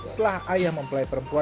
setelah ayah mempelai pria